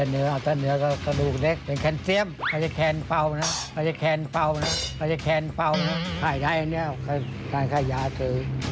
นอกจากเมนู